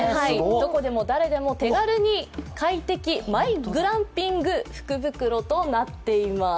どこでも誰でも手軽に快適、マイグランピング福袋となっています。